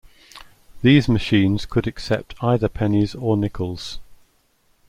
These machines could accept either pennies or nickels.